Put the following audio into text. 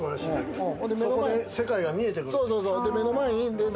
そこで世界が見えてくる。